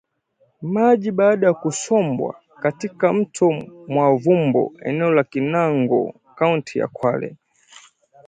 maji baada ya kusombwa katika mto mwavumbo eneo la Kinango kaunti ya Kwale